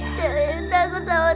aku takut sama tante